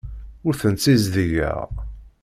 Ur tent-ssizdigeɣ.